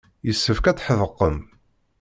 Yessefk ad tḥedqem.